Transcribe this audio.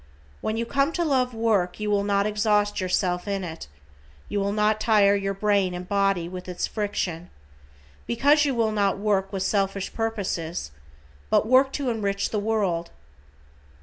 When you come to love work you will not exhaust yourself in it, you will not tire your brain and body with its friction, because you will not work with selfish purposes, but work to enrich the world.